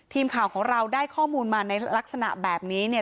ทีมข่าวของเราได้ข้อมูลมาในลักษณะแบบนี้เนี่ย